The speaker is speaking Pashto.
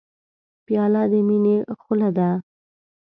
پیاله د مینې خوله ده.